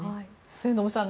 末延さん